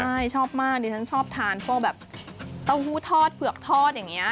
ใช่ชอบมากดิฉันชอบทานพวกแบบเต้าหู้ทอดเผือกทอดอย่างนี้